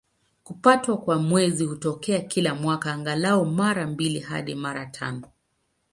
Kupatwa kwa Mwezi hutokea kila mwaka, angalau mara mbili hadi mara tano.